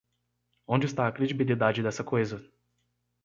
Onde está a credibilidade dessa coisa?